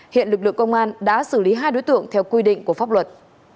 hiện lực lượng công an đã xử lý hai đối tượng theo quy định của pháp luật